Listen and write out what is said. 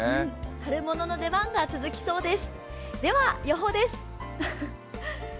春物の出番が続きそうです。